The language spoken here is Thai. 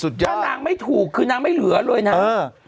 ถ้านางไม่ถูกคือนางไม่เหลือเลยนะ